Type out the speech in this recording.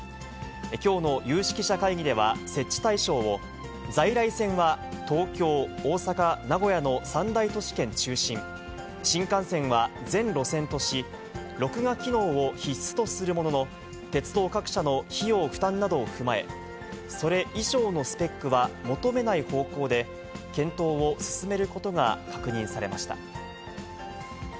きょうの有識者会議では設置対象を、在来線は東京、大阪、名古屋の三大都市圏中心、新幹線は全路線とし、録画機能を必須とするものの、鉄道各社の費用負担などを踏まえ、それ以上のスペックは求めない方向で、検討を進めることが確認されました。